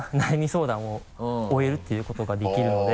相談を終えるっていうことができるので。